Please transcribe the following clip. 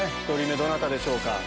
１人目どなたでしょうか？